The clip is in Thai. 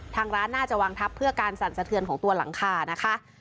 ทางร้านน่าจะวางทับเพื่อการสั่นสะเทือนของตัวหลังคานะคะ